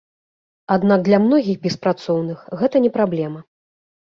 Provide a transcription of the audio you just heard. Аднак для многіх беспрацоўных гэта не праблема.